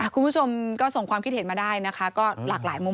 คุณผู้ชมก็ส่งความคิดเห็นมาได้นะคะก็หลากหลายมุม